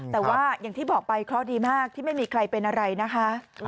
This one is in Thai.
แต่ว่าอย่างที่บอกไปเคราะห์ดีมากที่ไม่มีใครเป็นอะไรนะคะ